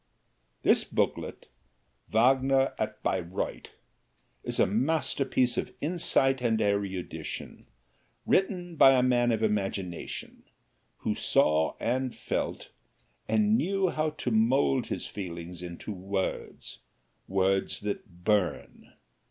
This booklet, "Wagner at Bayreuth," is a masterpiece of insight and erudition, written by a man of imagination, who saw and felt, and knew how to mold his feelings into words words that burn.